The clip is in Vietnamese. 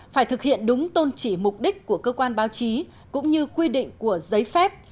phải thực hiện đúng tôn trị mục đích của cơ quan báo chí cũng như quy định của giấy phép